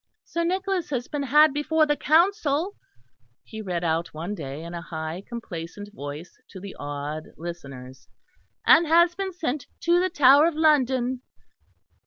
"Sir Nicholas has been had before the Council," he read out one day in a high complacent voice to the awed listeners, "and has been sent to the Tower of London."